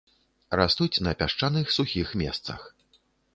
Растуць на пясчаных сухіх месцах.